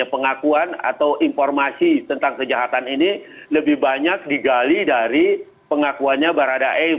pengakuan atau informasi tentang kejahatan ini lebih banyak digali dari pengakuannya baradae